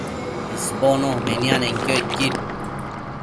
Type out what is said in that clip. isbono nemianenquio icquid